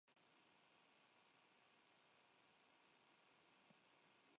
Es una especie que forma parte del estrato intermedio de los bosques altos.